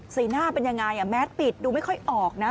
หน้าเป็นยังไงแมสปิดดูไม่ค่อยออกนะ